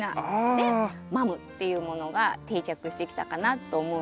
でマムっていうものが定着してきたかなって思うんですけれど。